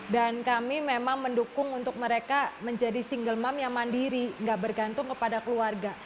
dan kami memang mendukung untuk mereka menjadi single mom yang mandiri gak bergantung kepada keluarga